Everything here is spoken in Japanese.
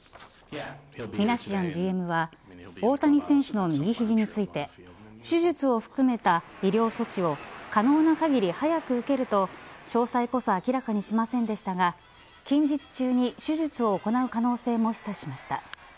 ミナシアンＧＭは大谷選手の右肘について手術を含めた医療措置を可能な限り早く受けると詳細こそ明らかにしませんでしたが近日中に手術を行う可能性も示唆しました。